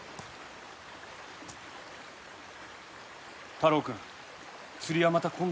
太郎くん釣りはまた今度や。